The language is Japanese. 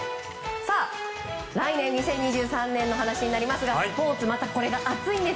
来年２０２３年の話になりますがスポーツまたこれが熱いんです。